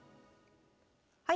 はい。